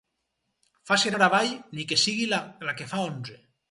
Faci anar avall, ni que sigui la que fa onze.